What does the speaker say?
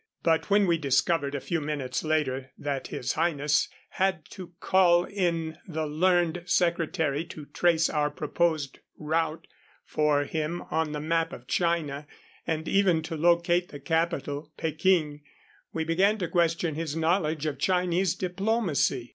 But when we discovered, a few minutes later, that his highness had to call in the learned secretary to trace our proposed route for him on the map of China, and even to locate the capital, Peking, we began to question his knowledge of Chinese diplomacy.